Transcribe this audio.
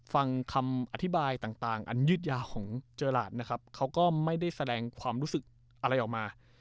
ฟังคำอธิบายต่างอันยืดยาวของเจอหลาดนะครับเขาก็ไม่ได้แสดงความรู้สึกอะไรออกมา